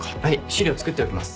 資料作っておきます。